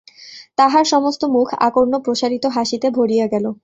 তাহার সমস্ত মুখ আকর্ণপ্রসারিত হাসিতে ভরিয়া গেল।